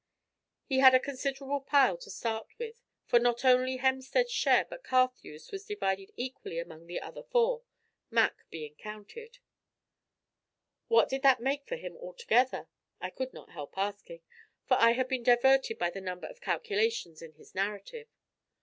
He had a considerable pile to start with, for not only Hemstead's share but Carthew's was divided equally among the other four Mac being counted." "What did that make for him altogether?" I could not help asking, for I had been diverted by the number of calculations in his narrative.